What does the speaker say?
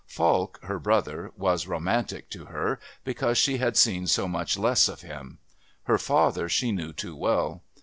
Falk, her brother, was romantic to her because she had seen so much less of him; her father she knew too well.